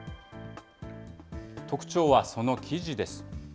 特長はその生地です。